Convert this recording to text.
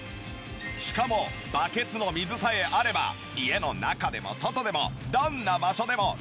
しかもバケツの水さえあれば家の中でも外でもどんな場所でもラクラクお掃除！